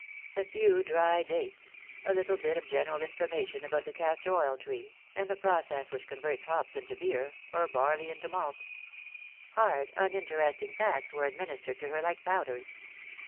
A few dry dates; a little bit of general information about the castor oil tree, and the process which converts hops into beer, or barley into malt. Hard uninteresting facts were administered to her like powders.